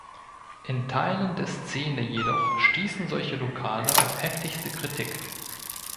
In Teilen der Szene jedoch stießen solche Lokale auf heftigste Kritik.